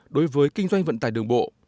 đối với kinh doanh vận tài đường bộ